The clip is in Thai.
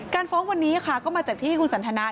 ฟ้องวันนี้ค่ะก็มาจากที่คุณสันทนา